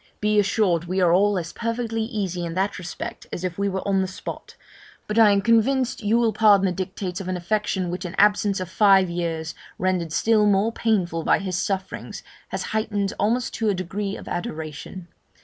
Be assured we are all as perfectly easy in that respect as if we were on the spot; but I am convinced you will pardon the dictates of an affection which an absence of five years, rendered still more painful by his sufferings, has heightened almost to a degree of adoration.